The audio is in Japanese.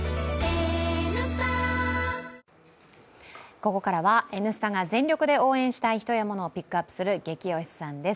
ここからは「Ｎスタ」が全力で応援したい人やモノをピックアップするゲキ推しさんです。